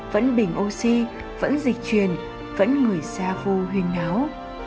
vẫn bình oxy vẫn dịch truyền vẫn người xa vô huyên áo